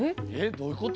どういうこと？